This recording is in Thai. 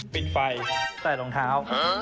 ปิดไฟใส่รองเท้า